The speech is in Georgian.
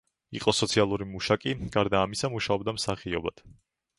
იყო სოციალური მუშაკი, გარდა ამისა მუშაობდა მსახიობად.